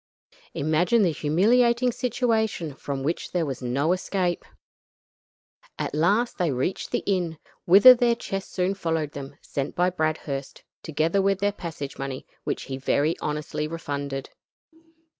Imagine the humiliating situation, from which there was no escape. At last they reached the inn, whither their chests soon followed them, sent by Bradhurst, together with their passage money, which he very honestly refunded.